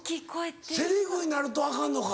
セリフになるとアカンのか。